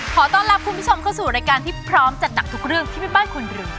ขอต้อนรับคุณผู้ชมเข้าสู่รายการที่พร้อมจัดหนักทุกเรื่องที่แม่บ้านควรรู้